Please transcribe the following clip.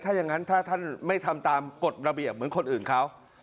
ถ้าอย่างนั้นถ้าท่านไม่ทำตามกฎระเบียบเหมือนคนอื่นเขา